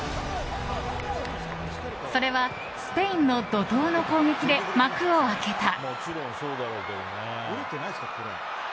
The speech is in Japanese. それは、スペインの怒涛の攻撃で幕を開けた。